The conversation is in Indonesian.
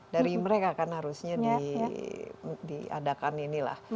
dari mereka kan harusnya diadakan ini lah